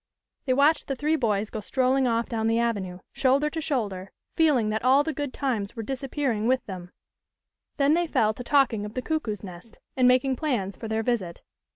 They watched the three boys go strolling off down the avenue, shoulder to shoulder, feeling that all the 3O THE LITTLE COLONEL'S HOLIDAYS. good times were disappearing with them. Then they fell to talking of the Cuckoo's Nest, and mak ing plans for their visit.